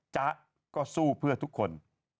จ๊ะก็สู้เพื่อทุกคน